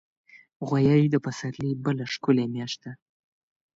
غویی د پسرلي بله ښکلي میاشت ده.